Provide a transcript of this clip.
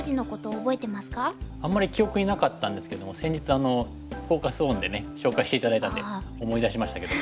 あんまり記憶になかったんですけども先日フォーカス・オンでね紹介して頂いたんで思い出しましたけども。